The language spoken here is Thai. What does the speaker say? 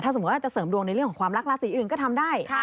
สมมุติว่าจะเสริมดวงในเรื่องของความรักราศีอื่นก็ทำได้